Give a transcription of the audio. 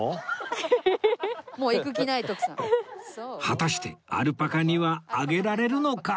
果たしてアルパカにはあげられるのか？